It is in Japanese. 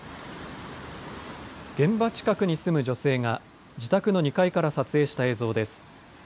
現場近くに住む女性が自宅の２階から撮影した映像です。